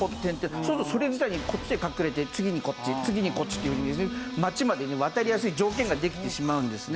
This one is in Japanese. そうするとそれ伝いにこっちで隠れて次にこっち次にこっちっていうふうに街までね渡りやすい条件ができてしまうんですね。